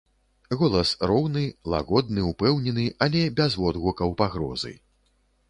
Голас роўны, лагодны, упэўнены, але без водгукаў пагрозы.